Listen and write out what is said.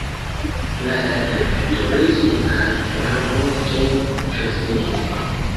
Lastatempe turismo kaj servoj ĉe ŝoseo.